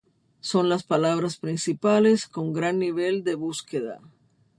Son las palabras principales con gran nivel de búsqueda.